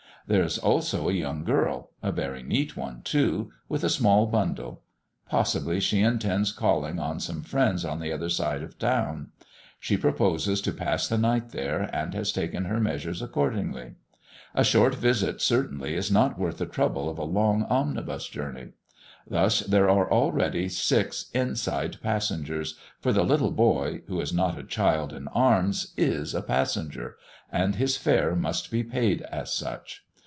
There is also a young girl, a very neat one too, with a small bundle. Possibly she intends calling on some friends on the other side of the town; she proposes to pass the night there, and has taken her measures accordingly. A short visit certainly is not worth the trouble of a long omnibus journey. Thus there are already six inside passengers, for the little boy, who is not a child in arms, is a "passenger," and his fare must be paid as such.